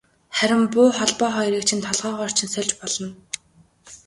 Харин буу холбоо хоёрыг чинь толгойгоор чинь сольж болно.